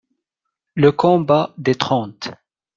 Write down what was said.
Le Combat des Trente.